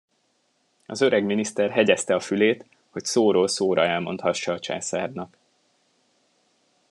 Az öreg miniszter hegyezte a fülét, hogy szóról szóra elmondhassa a császárnak.